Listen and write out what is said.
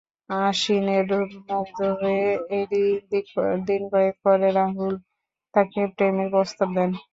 অসিনের রূপে মুগ্ধ হয়ে এরই দিনকয়েক পরে রাহুল তাঁকে প্রেমের প্রস্তাব দেন।